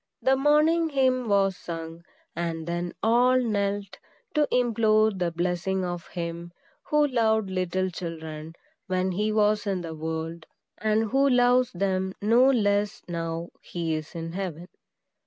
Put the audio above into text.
The morning hymn was sung, and then all knelt to implore the blessing of him who loved little children when he was in the world, and who loves them no less now he is in heaven.